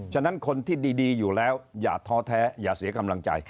ฉะนั้นคนที่ดีอยู่แล้วอย่าท้อแท้อย่าเสียกำลังใจ